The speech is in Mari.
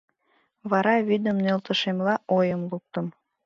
Вара вӱдым нӧлтышемла, ойым луктым: